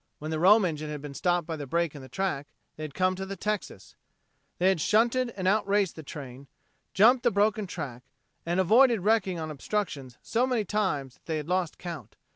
When the Rome engine had been stopped by the break in the track, they had come to the Texas. They had shunted and outraced the train, jumped the broken track, and avoided wrecking on obstructions so many times that they had lost count.